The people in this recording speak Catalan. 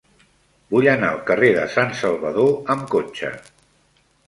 Vull anar al carrer de Sant Salvador amb cotxe.